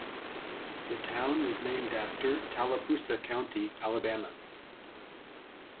The town was named after Tallapoosa County, Alabama.